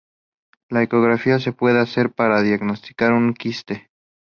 La ecografía se puede hacer para diagnosticar un quiste.